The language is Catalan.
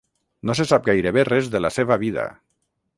No se sap gairebé res de la seva vida.